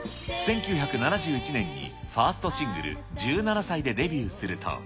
１９７１年にファーストシングル、１７才でデビューすると。